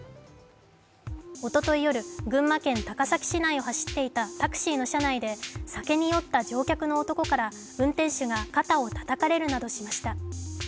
おととい夜、群馬県高崎市内を走っていたタクシーの車内で酒に酔った乗客の男から運転手が肩をたたかれるなどしました。